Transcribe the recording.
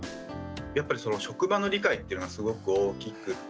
やっぱり職場の理解っていうのがすごく大きくて。